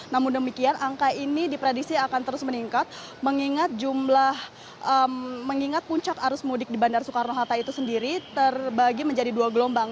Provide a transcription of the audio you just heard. namun demikian angka ini diprediksi akan terus meningkat mengingat puncak arus mudik di bandara soekarno hatta itu sendiri terbagi menjadi dua gelombang